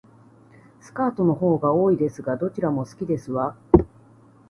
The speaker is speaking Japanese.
スカートの方が多いですが、どちらも好きですわ